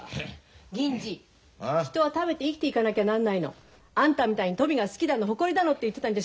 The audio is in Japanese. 銀次人は食べて生きていかなきゃなんないの。あんたみたいにトビが好きだの誇りだのって言ってたんじゃ